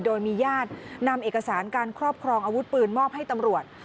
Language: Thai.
โดยมีญาตินำเอกสารการครอบครองอาวุธปืนมอบให้ตำรวจ